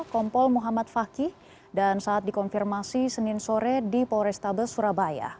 kompol muhammad fakih dan saat dikonfirmasi senin sore di polrestabes surabaya